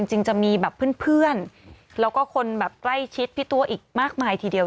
จริงจะมีแบบเพื่อนแล้วก็คนแบบใกล้ชิดพี่ตัวอีกมากมายทีเดียว